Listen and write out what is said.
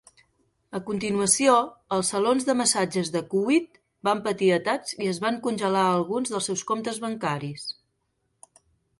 A continuació, els salons de massatges de Chuwit van patir atacs i es van congelar alguns dels seus comptes bancaris.